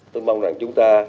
tôi mong rằng chúng ta